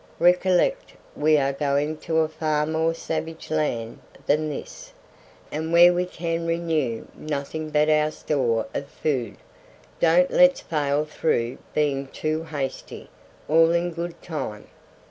Recollect we are going to a far more savage land than this, and where we can renew nothing but our store of food. Don't let's fail through being too hasty. All in good time."